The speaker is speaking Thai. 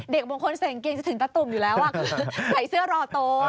เด็กบางคนเสียงเกงจะถึงตะตุ่มอยู่แล้วใส่เสื้อรอโต